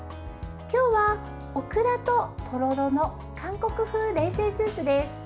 今日はオクラと、とろろの韓国風冷製スープです。